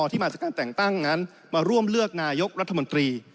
ที่มาจากการแต่งตั้งนั้นมาร่วมเลือกนายกรัฐมนตรี